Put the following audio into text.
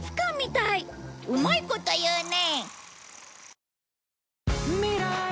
うまいこと言うね！